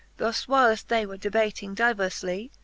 Thus whileft they were debating diverflie.